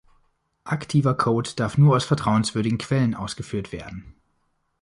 Aktiver Code darf nur aus vertrauenswürdigen Quellen ausgeführt werden.